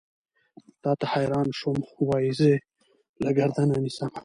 تا ته حېران شوم وائې زۀ يې له ګردنه نيسم